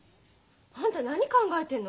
あんた何考えてんの？